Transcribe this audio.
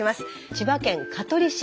千葉県香取市。